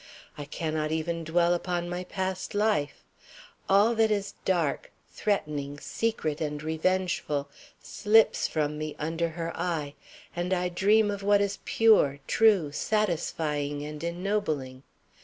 I cannot even dwell upon my past life. All that is dark, threatening, secret, and revengeful slips from me under her eye, and I dream of what is pure, true, satisfying, and ennobling.